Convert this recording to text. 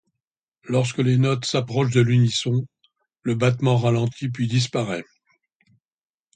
Lorsque les notes s'approchent de l'unisson, le battement ralentit puis disparaît.